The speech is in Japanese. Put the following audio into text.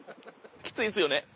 きついんですよね。